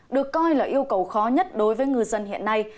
được coi là yêu cầu khó nhất đối với ngư dân hiện nay